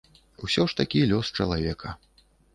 Усё ж такі лёс чалавека.